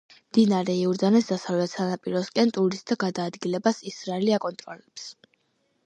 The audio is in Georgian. მდინარე იორდანეს დასავლეთ სანაპიროსკენ ტურისტთა გადაადგილებას ისრაელი აკონტროლებს.